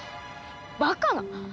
バカな！